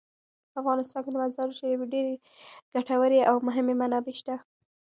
په افغانستان کې د مزارشریف ډیرې ګټورې او مهمې منابع شته.